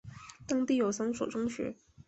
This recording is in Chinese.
当地有三所中学。